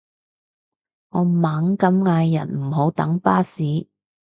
我猛咁嗌人唔好等巴士